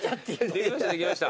できましたできました。